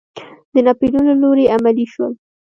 د ناپیلیون له لوري عملي شول.